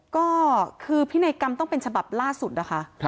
ก็คือพินัยกรรมต้องเป็นฉบับล่าสุดนะคะ